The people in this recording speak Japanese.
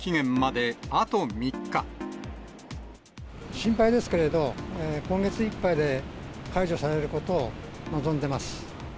心配ですけれど、今月いっぱいで解除されることを望んでます。